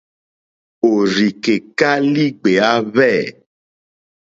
Òrzìkèká lìɡbèáhwɛ̂.